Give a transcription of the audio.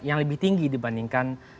yang lebih tinggi dibandingkan